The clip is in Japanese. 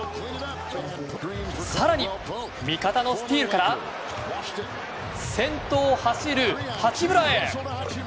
更に、味方のスチールから先頭を走る八村へ。